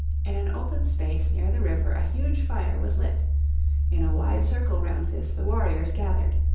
In an open space near the river a huge fire was lit. In a wide circle round this the warriors gathered.